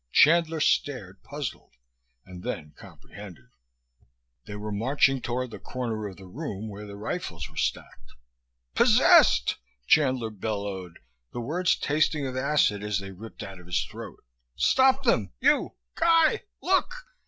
Chandler stared, puzzled, and then comprehended. They were marching toward the corner of the room where the rifles were stacked. "Possessed!" Chandler bellowed, the words tasting of acid as they ripped out of his throat. "Stop them! You Guy look!"